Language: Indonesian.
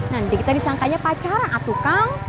nanti kita disangkanya pacar atukang